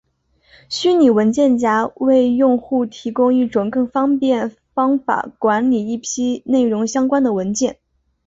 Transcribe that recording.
虚拟文件夹为用户提供一种更方便方法管理一批内容相关的文件。